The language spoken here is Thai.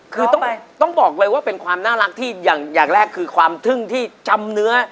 คือต้องบอกเลยว่าเป็นความน่ารักที่อย่างแรกคือความทึ่งที่จำเนื้อ